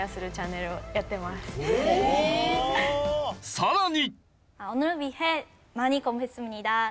さらに。